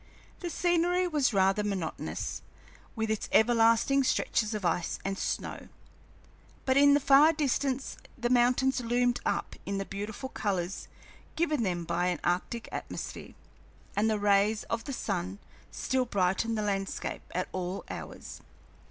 The scenery was rather monotonous, with its everlasting stretches of ice and snow, but in the far distance the mountains loomed up in the beautiful colors given them by an arctic atmosphere, and the rays of the sun still brightened the landscape at all hours.